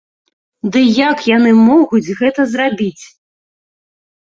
Дый як яны могуць гэта зрабіць?